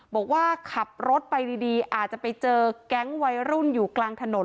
บอกว่าขับรถไปดีอาจจะไปเจอแก๊งวัยรุ่นอยู่กลางถนน